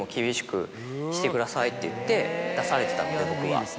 「してください」って言って出されてたので僕は。